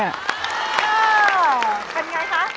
เป็นอย่างไรคะ